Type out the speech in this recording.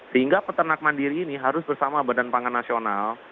sehingga peternak mandiri ini harus bersama badan pangan nasional